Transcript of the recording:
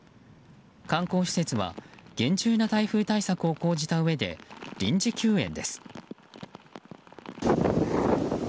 観光施設は厳重な台風対策を講じたうえで臨時休園です。